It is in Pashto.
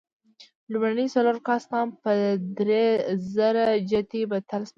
لومړني څلور کاستان په درېزره جتي بدل شول.